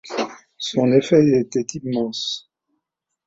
Son effet était immense.